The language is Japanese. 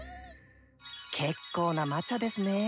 けっこうな魔茶ですね。